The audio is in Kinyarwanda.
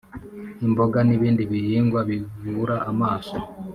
imboga n'ibindi bihingwa bivura amaso